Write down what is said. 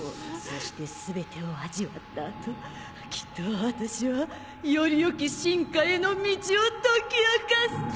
そして全てを味わった後きっと私はよりよき進化への道を解き明かす。